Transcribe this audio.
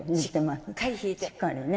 しっかりね。